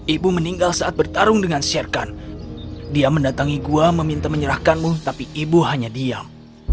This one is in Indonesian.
ibu meninggal saat bertarung dengan sherkan dia mendatangi gua meminta menyerahkanmu tapi ibu hanya diam